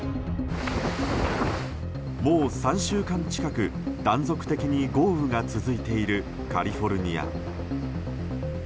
もう３週間近く断続的に豪雨が続いているカリフォルニア。